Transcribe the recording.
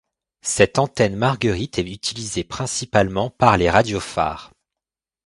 Cette antenne marguerite est utilisée principalement par les radiophares.